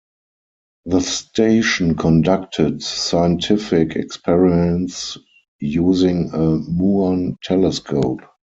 The station conducted scientific experiments using a muon telescope.